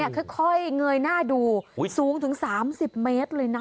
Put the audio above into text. ค่อยเงยหน้าดูสูงถึง๓๐เมตรเลยนะ